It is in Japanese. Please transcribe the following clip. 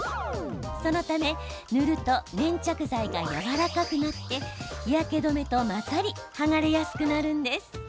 そのため、塗ると粘着剤がやわらかくなって日焼け止めと混ざり剥がれやすくなるんです。